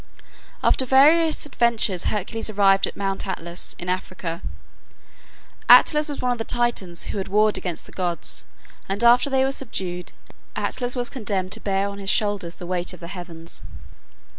After various adventures Hercules arrived at Mount Atlas in Africa. Atlas was one of the Titans who had warred against the gods, and after they were subdued, Atlas was condemned to bear on his shoulders the weight of the heavens.